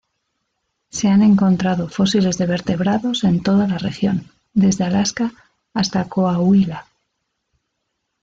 Se han encontrado fósiles de vertebrados en toda la región, desde Alaska hasta Coahuila.